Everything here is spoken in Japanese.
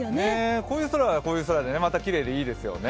こういう空はこういう空で、またきれいでいいですよね。